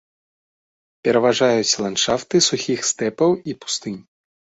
Пераважаюць ландшафты сухіх стэпаў і пустынь.